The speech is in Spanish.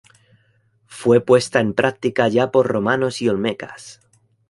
Fue puesta en práctica ya por romanos y olmecas.